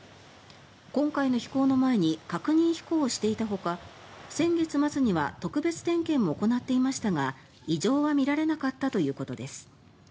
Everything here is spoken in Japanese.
今回の飛行の前に確認飛行をしていたほか先月末には特別点検も行っていましたが異常は見られなかったということです。